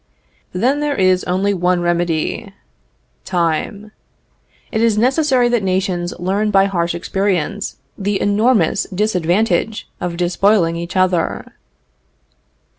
Then there is only one remedy time. It is necessary that nations learn by harsh experience the enormous disadvantage of despoiling each other.